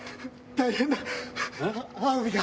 大変だ！